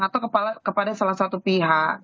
atau kepada salah satu pihak